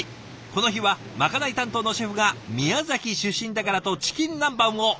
この日はまかない担当のシェフが宮崎出身だからとチキン南蛮を。